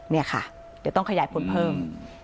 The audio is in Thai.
นี่ค่ะเดี๋ยวต้องขยายผลเพิ่ม